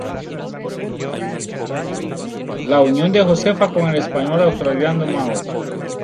La unión de Josefa con el español asturiano Manuel Ma.